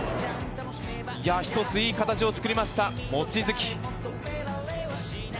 一ついい形を作りました、望月。